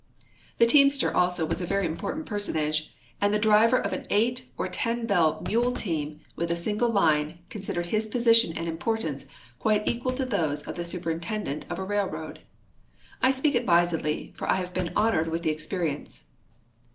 The teamster also Avas a very im jAortant personage, and the driver of an eight or ten bell mule team, Avith a single line, considered his position and importance quite equal to those of the superintendent of a railroad. I sjjeak advisedly, for I have been honored Avith the experience.